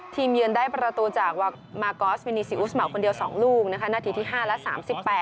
เยือนได้ประตูจากมากอสมินีซีอุสเหมาคนเดียว๒ลูกนาทีที่๕และ๓๘